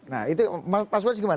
nah itu mas waj gimana